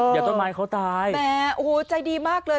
เดี๋ยวต้นไม้เขาตายแหมโอ้โหใจดีมากเลย